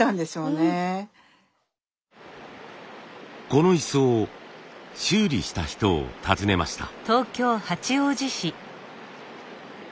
この椅子を修理した人を尋ねました。